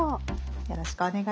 よろしくお願いします。